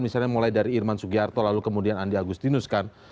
misalnya mulai dari irman sugiarto lalu kemudian andi agustinus kan